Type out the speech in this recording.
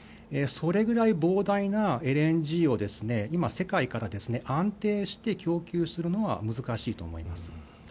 それぐらい膨大なＬＮＧを今、世界から安定して供給するのは難しいと思います。